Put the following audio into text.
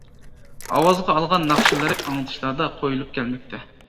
ئاۋازغا ئالغان ناخشىلىرى ئاڭلىتىشلاردا قۇيۇلۇپ كەلمەكتە.